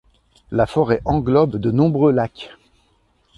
La forêt englobe de nombreux lacs.